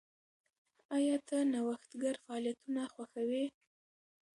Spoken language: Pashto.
ایا ته نوښتګر فعالیتونه خوښوې؟